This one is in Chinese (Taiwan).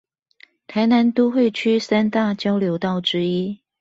臺南都會區三大交流道之一